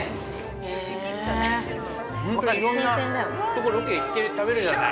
◆いろいろなところにロケ行って食べるじゃない。